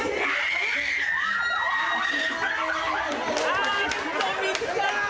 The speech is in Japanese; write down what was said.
あーっと見つかった。